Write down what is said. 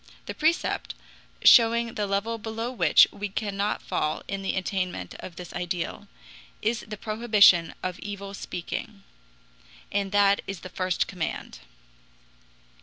The precept, showing the level below which we cannot fall in the attainment of this ideal, is the prohibition of evil speaking. And that is the first command.